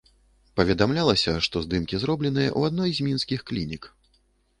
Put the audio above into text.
Паведамлялася, што здымкі зробленыя ў адной з мінскіх клінік.